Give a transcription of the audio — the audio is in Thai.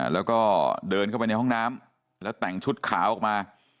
แล้วก็เดินเข้าไปในห้องน้ำแล้วแต่งชุดขาวออกมา